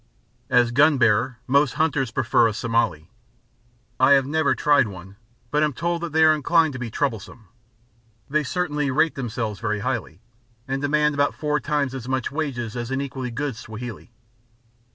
As gun bearer, most hunters prefer a Somali. I have never tried one, but am told that they are inclined to be troublesome; they certainly rate themselves very highly, and demand about four times as much wages as an equally good Swahili.